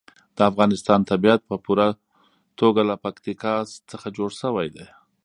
د افغانستان طبیعت په پوره توګه له پکتیکا څخه جوړ شوی دی.